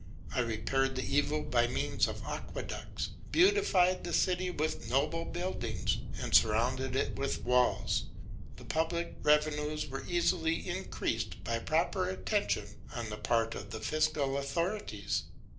I repaired the evil by means of aqueducts, beautified the city with noble buildings, and surrounded it with walls. The public revenues were easily increased by proper attention on the part of the fiscal authorities.